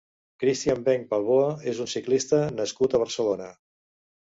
Christian Venge Balboa és un ciclista nascut a Barcelona.